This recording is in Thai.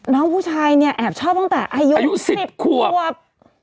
น้องผู้ชายเนี่ยแอบชอบตั้งแต่อายุ๑๐ขวบ